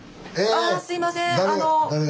あらすいません。